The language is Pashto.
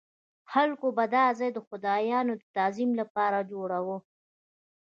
خلکو به دا ځای د خدایانو د تعظیم لپاره جوړاوه.